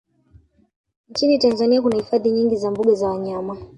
Nchini Tanzania kuna hifadhi nyingi za mbuga za wanyama